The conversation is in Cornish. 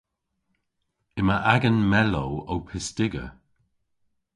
Yma agan mellow ow pystiga.